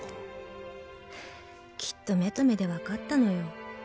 きっと目と目で分かったのよ